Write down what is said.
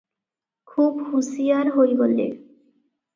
ଖୁବ୍ ହୁସିଆର ହୋଇଗଲେ ।